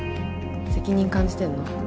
責任感じてんの？